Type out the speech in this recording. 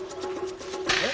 えっ？